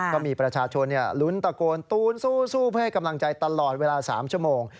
ก็มีประชาชนลุ้นตะโกนตูนสู้เพื่อให้กำลังใจตลอดเวลา๓ชั่วโมง